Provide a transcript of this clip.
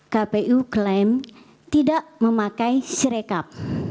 kpu klaim tidak memakai sirekap